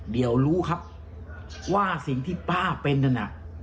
เดี๋ยวรู้ครับว่าสิ่งที่ป้าเป็นนั่นน่ะ